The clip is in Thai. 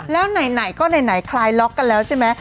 แล้วไหนก็ไหนคลายล็อกกันแล้วใช่ไหม